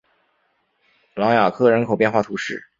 朗雅克人口变化图示